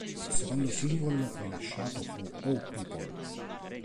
Il secondo singolo rilasciato fu "Oh, People".